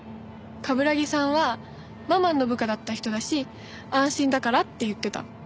冠城さんはママンの部下だった人だし安心だからって言ってた。